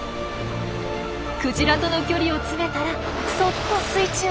クジラとの距離をつめたらそっと水中へ。